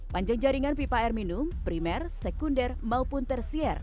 panjang jaringan pipa air minum primer sekunder maupun tersier